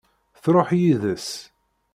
Truḥ yid-s.